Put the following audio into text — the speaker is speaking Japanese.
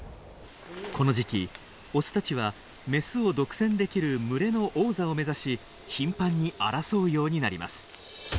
この時期オスたちはメスを独占できる群れの王座を目指し頻繁に争うようになります。